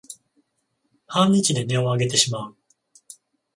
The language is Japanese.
半日で音をあげてしまう